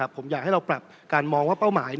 ผมอยากให้เราปรับการมองว่าเป้าหมาย